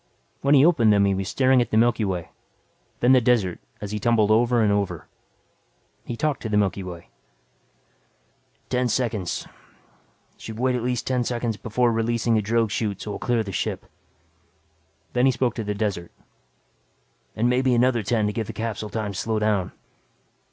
When he opened them he was staring at the Milky Way, then the desert as he tumbled over and over. He talked to the Milky Way. "Ten seconds. Should wait at least ten seconds before releasing the drogue chute so I'll clear the ship." Then he spoke to the desert. "And maybe another ten to give the capsule time to slow down."